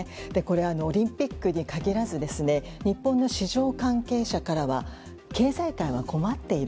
オリンピックに限らず日本の市場関係者からは経済界は困っている。